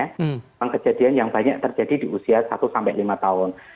ini adalah pengkejadian yang banyak terjadi di usia satu sampai lima tahun